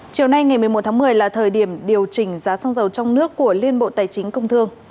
chiều nay ngày một mươi một tháng một mươi là thời điểm điều chỉnh giá xăng dầu trong nước của liên bộ tài chính công thương